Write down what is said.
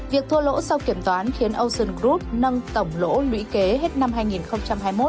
việc thua lỗ sau kiểm toán khiến ocean group nâng tổng lỗ lũy kế hết năm hai nghìn hai mươi một